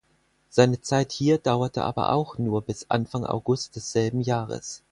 Seine Zeit hier dauerte aber auch nur bis Anfang August desselben Jahres.